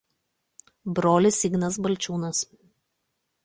Brolis Ignas Balčiūnas.